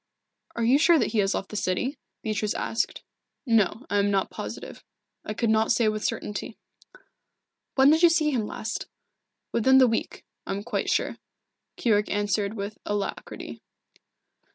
"Are you sure that he has left the city?" Beatrice asked. "No, I am not positive. I could not say with certainty." "When did you see him last?" "Within the week, I am quite sure," Keyork answered with alacrity.